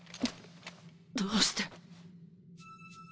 どうして。